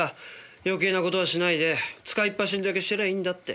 余計な事はしないで使いっ走りだけしてりゃいいんだって。